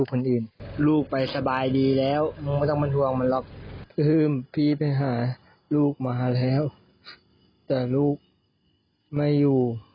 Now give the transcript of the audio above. มาแล้วแต่ลูกไม่อยู่